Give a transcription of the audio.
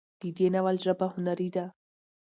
د دې ناول ژبه هنري ده